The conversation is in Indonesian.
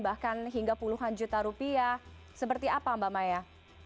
bahkan hingga puluhan juta rupiah seperti apa mbak maya